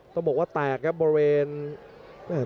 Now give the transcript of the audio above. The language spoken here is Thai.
ต้องบอกว่าแตกครับบริเวณอ่า